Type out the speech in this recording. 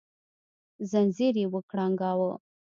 ځنځير يې وکړانګاوه